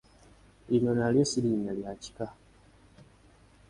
Lino nalyo si linnya lya kika.